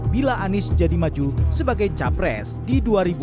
bila anies jadi maju sebagai capres di dua ribu dua puluh